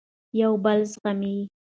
یو بل زغمئ.